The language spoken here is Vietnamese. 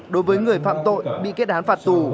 đối với người phạm tội bị kết án phạt tù